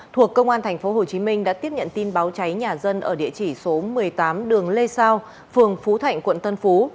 thuộc công an tp hcm đã tiếp nhận tin báo cháy nhà dân ở địa chỉ số một mươi tám đường lê sao phường phú thạnh quận tân phú